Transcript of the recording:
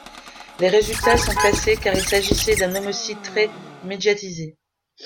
Les résultats sont classés car il s'agissait d'un homicide très médiatisé.